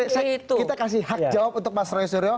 kita kasih hak jawab untuk mas roy suryo